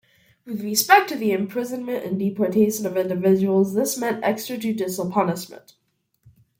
With respect to the imprisonment and deportation of individuals this meant extrajudicial punishment.